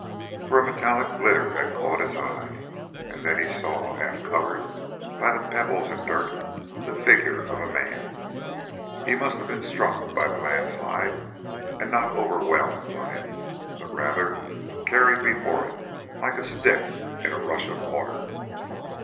For a metallic glitter had caught his eye, and then he saw, half covered by the pebbles and dirt, the figure of a man. He must have been struck by the landslide and not overwhelmed by it, but rather carried before it like a stick in a rush of water.